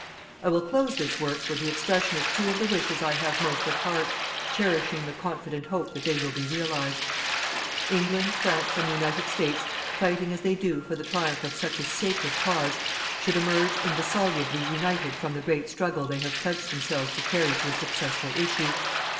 I will close this work with the expression of two of the wishes I have most at heart, cherishing the confident hope that they will be realized. England, France and the United States, fighting as they do for the triumph of such a sacred cause, should emerge indissolubly united from the great struggle they have pledged themselves to carry to a successful issue.